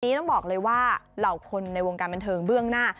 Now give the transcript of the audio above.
ต้องบอกเลยว่าเหล่าคนในวงการบันเทิงเบื้องหน้า